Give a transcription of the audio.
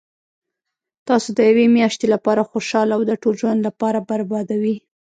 تاسو د یوې میاشتي لپاره خوشحاله او د ټول ژوند لپاره بربادوي